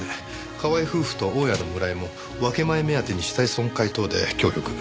河合夫婦と大家の村井も分け前目当てに死体損壊等で協力。